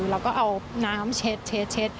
แล้วก็เอาน้ำเช็ด